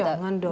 oh jangan dong